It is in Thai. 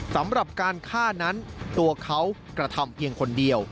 สำหรับการฆ่านั้นตัวเขากระทำเพียงคนเดียว